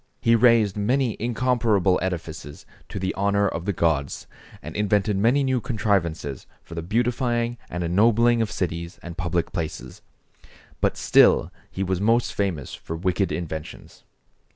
He raised many incomparable edifices to the honor of the gods, and invented many new contrivances for the beautifying and ennobling of cities and public places, but still he was most famous for wicked inventions.